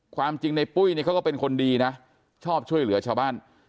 ความจริงในปุ้ยเนี่ยเขาก็เป็นคนดีนะชอบช่วยเหลือชาวบ้าน